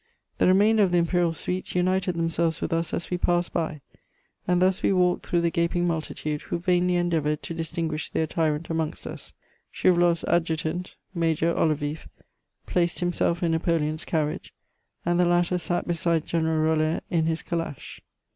The remainder of the Imperial suite united themselves with us as we passed by, and thus we walked through the gaping multitude, who vainly endeavoured to distinguish their Tyrant amongst us. Schouwaloff's Adjutant (Major Olewieff) placed himself in Napoleon's carriage, and the latter sat beside General Roller in his calash....